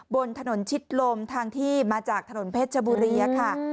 บนถนนชิดลมทางที่มาจากถนนเพชรชบุรีค่ะ